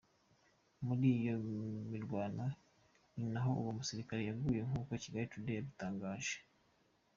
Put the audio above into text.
Muri iyo mirwano ni naho uwo musirikare yaguye nk’ uko Kigali today yabitangaje.